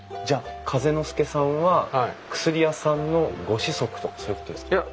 じゃあ風ノ介さんは薬屋さんのご子息とかそういうことですか？